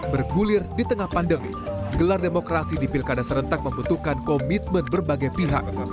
bergulir di tengah pandemi gelar demokrasi di pilkada serentak membutuhkan komitmen berbagai pihak